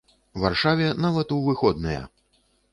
Варшаве нават у выходныя!